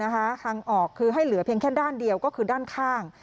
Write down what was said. ทางออกคือให้เหลือเพียงแค่ด้านเดียวก็คือด้านข้าง